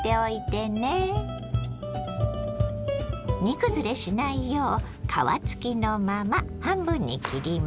煮崩れしないよう皮付きのまま半分に切ります。